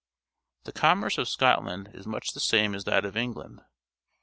The commerce of Scot land is much the same as that of England.